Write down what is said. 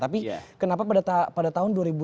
tapi kenapa pada tahun